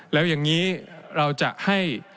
แล้วอย่างนี้เราจะให้